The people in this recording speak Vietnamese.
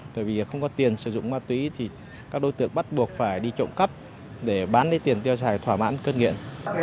bởi vì không có tiền sử dụng ma túy thì các đối tượng bắt buộc phải đi trộm cắp để bán đi tiền tiêu sải thỏa mãn cơn nghiện